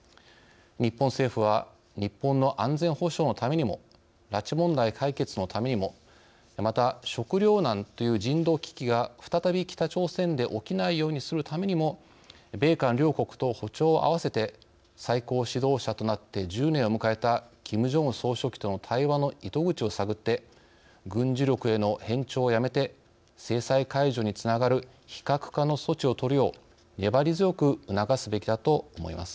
日本政府は日本の安全保障のためにも拉致問題解決のためにもまた食糧難という人道危機が再び北朝鮮で起きないようにするためにも米韓両国と歩調を合わせて最高指導者となって１０年を迎えたキム・ジョンウン総書記との対話の糸口を探って軍事力への偏重をやめて制裁解除につながる非核化の措置を取るよう粘り強く促すべきだと思います。